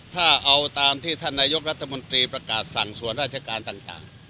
ถ้าเอาตามที่ท่านนายกรัฐมนตรีประกาศสั่งส่วนราชการต่าง